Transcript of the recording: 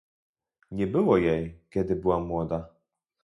Nie było jej, kiedy byłam młoda